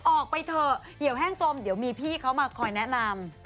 ออกไปเถอะเหี่ยวแห้งสมเดี๋ยวมีพี่เขามาคอยแนะนำ